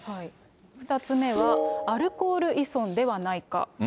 ２つ目はアルコール依存ではないか。